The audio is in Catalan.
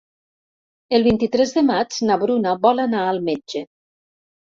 El vint-i-tres de maig na Bruna vol anar al metge.